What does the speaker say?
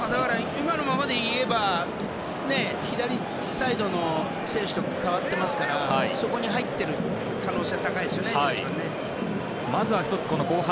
今のままで言えば左サイドの選手と代わってますからそこに入ってる可能性は高いですよね、１８番。